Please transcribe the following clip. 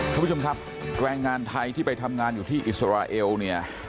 คุณผู้ชมครับแรงงานไทยที่ไปทำงานอยู่ที่อิสราเอลเนี่ย